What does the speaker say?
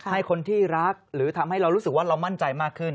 ให้คนที่รักหรือทำให้เรารู้สึกว่าเรามั่นใจมากขึ้น